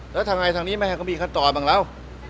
แล้วทางไหนทางนี้มันก็มีข้าวตอนบ้างแล้ว